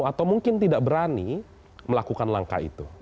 atau mungkin tidak berani melakukan langkah itu